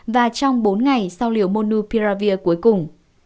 và trong bốn ngày sau liều monopiravir cuối cùng